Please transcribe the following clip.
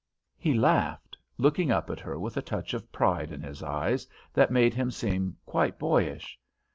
He laughed, looking up at her with a touch of pride in his eyes that made them seem quite boyish.